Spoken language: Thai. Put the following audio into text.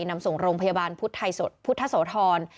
นำส่งโรงพยาบาลพุทธโสธร